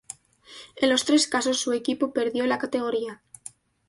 En los tres casos su equipo perdió la categoría.